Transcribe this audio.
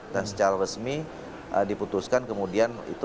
dan secara resmi diputuskan kemudian itu